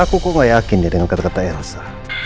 aku kok gak yakin ya dengan kata kata elsa